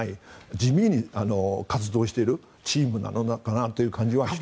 地味に活動をしているチームなのかなという感じはしました。